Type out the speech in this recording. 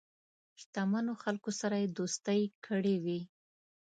شته منو خلکو سره یې دوستی کړې وي.